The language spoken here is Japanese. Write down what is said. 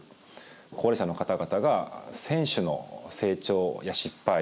高齢者の方々が選手の成長や失敗をですね